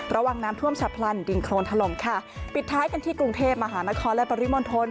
ระวังน้ำท่วมฉับพลันดินโครนถล่มค่ะปิดท้ายกันที่กรุงเทพมหานครและปริมณฑล